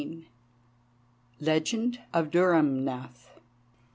LEGEND OF DHURRUMNATH.